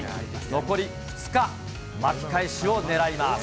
残り２日、巻き返しをねらいます。